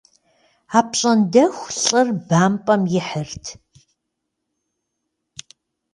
Апщӏондэху лӏыр бампӏэм ихьырт.